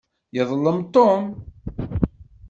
Yeḍlem Tom.